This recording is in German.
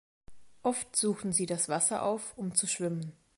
Oft suchen sie das Wasser auf, um zu schwimmen.